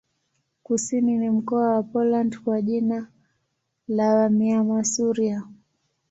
Kusini ni mkoa wa Poland kwa jina la Warmia-Masuria.